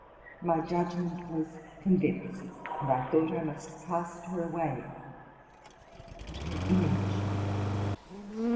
My judgment was convinced, and I thought I must east her away; but her image